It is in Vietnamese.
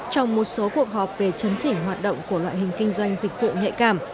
trong một số cuộc họp về chấn chỉnh hoạt động của loại hình kinh doanh dịch vụ nhạy cảm